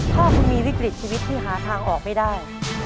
ถ้าคุณมีวิกฤตชีวิตที่หาทางออกไม่ได้